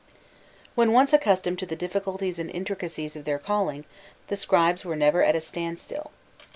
When once accustomed to the difficulties and intricacies of their calling, the scribes were never at a standstill.